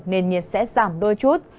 nền nhiệt sẽ giảm đôi chút